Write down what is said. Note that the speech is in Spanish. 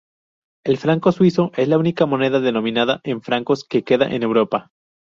El franco suizo es la única moneda denominada en francos que queda en Europa.